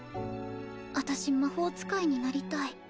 私魔法使いになりたい